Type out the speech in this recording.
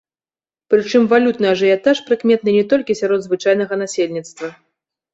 Прычым валютны ажыятаж прыкметны не толькі сярод звычайнага насельніцтва.